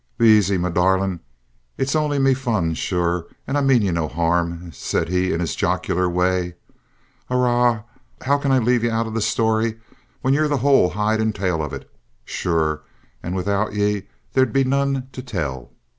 "Be aisy, me darlint! It's only me fun, sure; and I mean ye no harrum," said he in his jocular way. "Arrah how can I lave ye out of the story when ye're the howl h'id and tail of it, sure, and without ye there'd be none to tile.